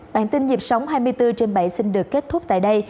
bản tin nhịp sống hai mươi bốn trên bảy xin được kết thúc tại đây